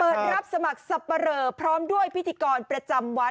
รับสมัครสับปะเรอพร้อมด้วยพิธีกรประจำวัด